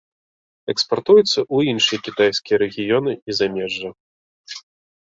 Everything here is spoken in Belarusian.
Экспартуецца ў іншыя кітайская рэгіёны і замежжа.